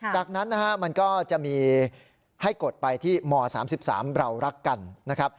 จากนั้นนะฮะมันก็จะมีให้กดไปที่ม๓๓เรารักกันนะครับ